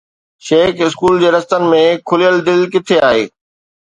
Shaikh school جي رستن ۾ کليل دل ڪٿي آهي؟